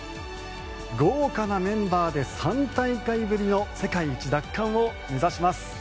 豪華なメンバーで３大会ぶりの世界一奪還を目指します。